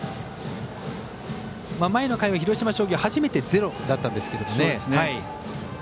前の回は広島商業初めてゼロだったんですけどね。